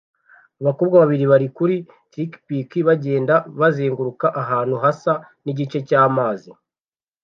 Abakobwa babiri bari kuri trikipiki bagenda bazenguruka ahantu hasa nigice cya maze